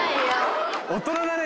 大人だね。